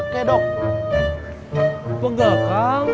kalo saya mau minta dalam